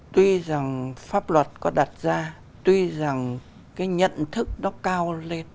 tuy rằng pháp luật có đặt ra tuy rằng cái nhận thức đó cao